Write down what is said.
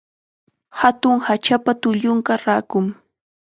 Hatun hachapa tullunqa rakum.